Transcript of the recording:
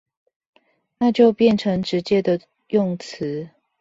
那就變成直接的用詞